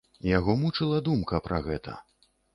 Яго мучыла думка пра гэта.